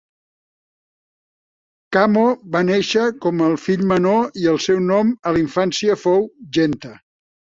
Kamo va nàixer com al fill menor i el seu nom a la infància fou Genta.